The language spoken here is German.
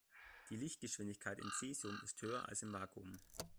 Die Lichtgeschwindigkeit in Cäsium ist höher als im Vakuum.